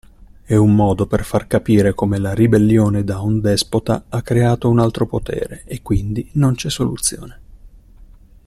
È un modo per far capire come la ribellione da un despota ha creato un altro potere e quindi non c'è soluzione.